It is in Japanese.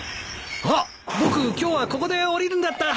あっ僕今日はここで降りるんだった。